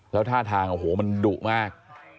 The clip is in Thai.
แล้วท่าทางโอ้โหมันดุมาก